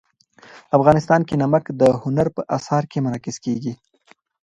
افغانستان کې نمک د هنر په اثار کې منعکس کېږي.